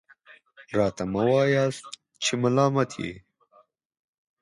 راته مه وایاست چې ملامت یې .